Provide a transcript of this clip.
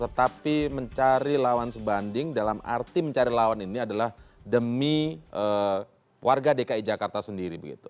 tetapi mencari lawan sebanding dalam arti mencari lawan ini adalah demi warga dki jakarta sendiri begitu